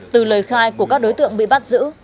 từ lời khai của các đối tượng bị bắt giữ